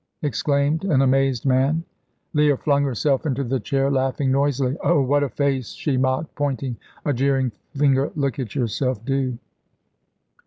exclaimed an amazed man. Leah flung herself into the chair, laughing noisily. "Oh, what a face!" she mocked, pointing a jeering finger. "Look at yourself, do."